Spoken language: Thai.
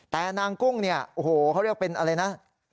แต่นางกุ้งเนี่ยโอ้โหเขาเรียกเป็นอะไรนะ